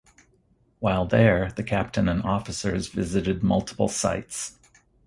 While there the captain and officers visited multiple sites.